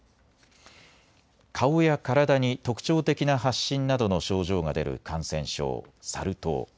顔や体に特徴的な発疹などの症状が出る感染症、サル痘。